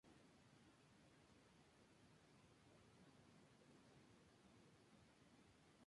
Está subordinada administrativamente de forma directa al óblast.